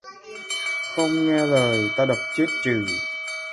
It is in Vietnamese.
Không nghe lời, tau đập chết chừ